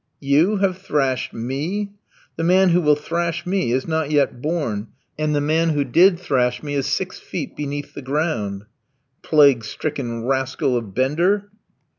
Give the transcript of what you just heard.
"You have thrashed me? The man who will thrash me is not yet born; and the man who did thrash me is six feet beneath the ground." "Plague stricken rascal of Bender?"